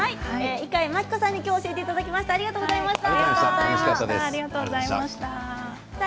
猪飼牧子さんに教えていただきました、ありがとうございました。